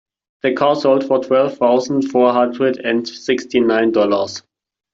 The car sold for twelve thousand four hundred and sixty nine dollars.